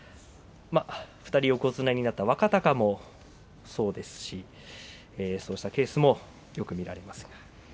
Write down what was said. ２人横綱になった若貴もそうですしそうしたケースもよく見られます。